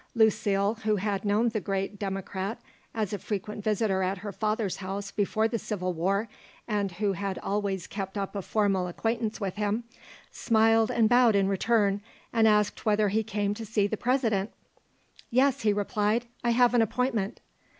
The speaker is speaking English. Lucile, who had known the great Democrat as a frequent visitor at her father's house before the Civil War, and who had always kept up a formal acquaintance with him, smiled and bowed in return and asked whether he came to see the President. "Yes," he replied. "I have an appointment."